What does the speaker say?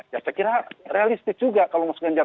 saya kira realistis juga